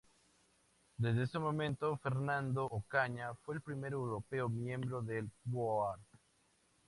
Desde ese momento Fernando Ocaña es el primer europeo miembro del Board